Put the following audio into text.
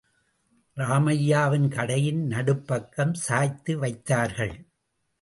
ராமையாவின் கடையின் நடுப்பக்கம் சாய்த்து வைத்தார்கள்.